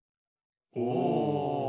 お！